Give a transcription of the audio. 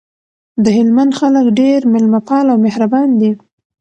دهلمند خلګ ډیر میلمه پاله او مهربان دي